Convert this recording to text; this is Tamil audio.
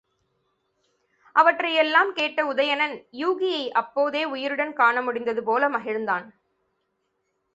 அவற்றை எல்லாம் கேட்ட உதயணன் யூகியை அப்போதே உயிருடன் காணமுடிந்ததுபோல மகிழ்ந்தான்.